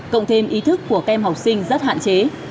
cộng thêm ý thức của kem học sinh rất hạn chế